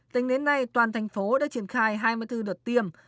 tính đến nay toàn thành phố đã triển khai hai mươi bốn đợt tiêm